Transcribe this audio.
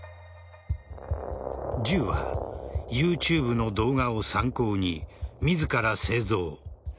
銃はＹｏｕＴｕｂｅの動画を参考に自ら製造。